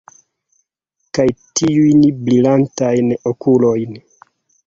Kaj tiujn brilantajn okulojn!